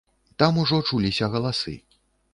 Там ужо чуліся галасы.